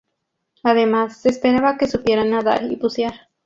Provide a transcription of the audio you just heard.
Además se esperaba que supieran nadar y bucear.